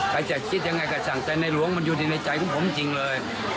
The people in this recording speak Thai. ใครจะคิดยังไงก็สั่งแต่ในหลวงมันอยู่ในใจของผมจริงเลย